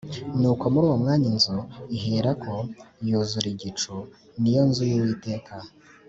nuko muri uwo mwanya inzu iherako yuzura igicu, ni yo nzu y’uwiteka.